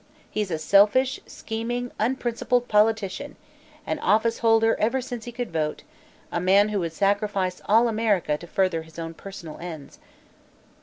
He's a selfish, scheming, unprincipled politician; an office holder ever since he could vote; a man who would sacrifice all America to further his own personal ends."